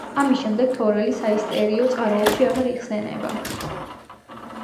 ამის შემდეგ თორელი საისტორიო წყაროებში აღარ იხსენიება.